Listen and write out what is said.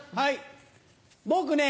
僕ね